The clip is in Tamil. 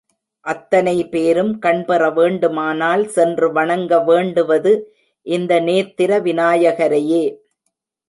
அத்தனை பேரும் கண் பெறவேண்டுமானால் சென்று வணங்க வேண்டுவது இந்த நேத்திர விநாயகரையே.